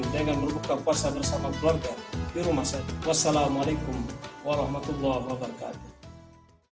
dengan membuka puasa bersama keluarga di rumah saya wassalamualaikum warahmatullah wabarakatuh